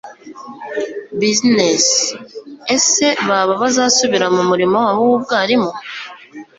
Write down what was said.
business). Ese baba bazasubira mu murimo wabo w'ubwarimu?